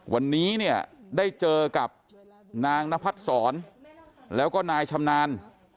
วันนี้เนี่ยได้เจอกับนางนพัดศรแล้วก็นายชำนาญ